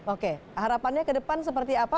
oke harapannya ke depan seperti apa